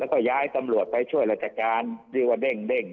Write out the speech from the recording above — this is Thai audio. แล้วมันย้ายตำรวจไปช่วยรัฐกาลเรียกว่าเด้งนะฮะ